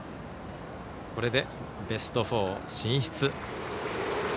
これでベスト４進出。